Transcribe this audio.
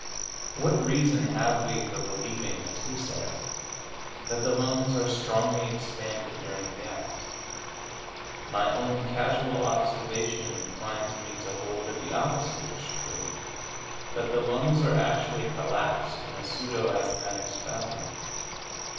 What reason have we for believing, as he says, that the lungs are "strongly expanded" during the act? My own casual observation inclines me to hold that the opposite is true, that the lungs are actually collapsed in a pseudo asthmatic spasm.